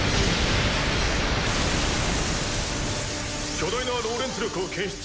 巨大なローレンツ力を検出。